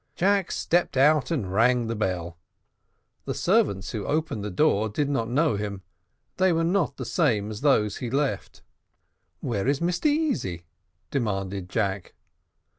Jack stepped out and rang the bell. The servants who opened the door did not know him; they were not the same as those he left. "Where is Mr Easy?" demanded Jack.